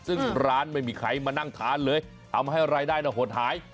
ซึ่งร้านไม่มีใครมานั่งทานเลยทำให้รายได้หดหาย